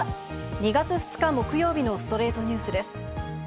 ２月２日、木曜日の『ストレイトニュース』です。